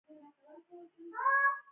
توپک له زړه رحم باسي.